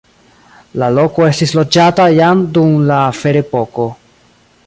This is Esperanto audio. La loko estis loĝata jam dun la ferepoko.